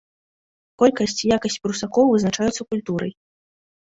Колькасць і якасць прусакоў вызначаюцца культурай.